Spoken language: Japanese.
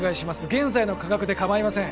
現在の価格で構いません